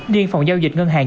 điện phòng giao dịch ngân hàng